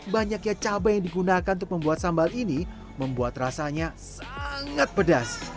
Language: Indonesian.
banyaknya cabai yang digunakan untuk membuat sambal ini membuat rasanya sangat pedas